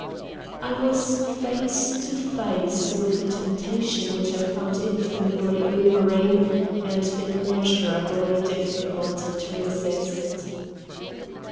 I was face to face with a temptation which I found infinitely alluring and immeasurably difficult to resist.